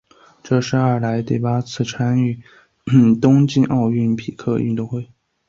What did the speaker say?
这是爱尔兰第八次参加冬季奥林匹克运动会。